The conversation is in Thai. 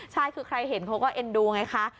ใช่คือใครเห็นเขาก็เอ็นดูไงคะ